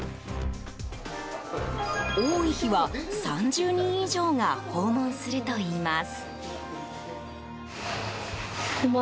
多い日は、３０人以上が訪問するといいます。